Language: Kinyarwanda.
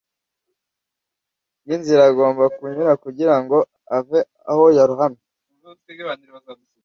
bw'inzira agomba kunyura kugira ngo ave aho yarohamye